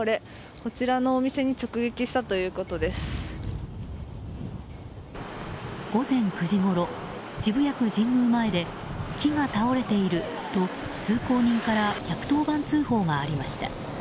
こちらのお店に直撃した午前９時ごろ、渋谷区神宮前で木が倒れていると、通行人から１１０番通報がありました。